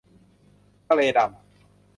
ทะเลดำ